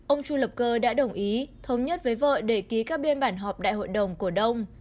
ông chu lập cơ đã đồng ý thống nhất với vợ để ký các biên bản họp đại hội đồng cổ đông